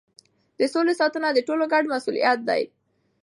د سولې ساتنه د ټولو ګډ مسؤلیت دی.